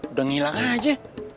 udah ngilang aja